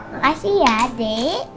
makasih ya adik